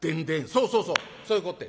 「そうそうそうそういうこって。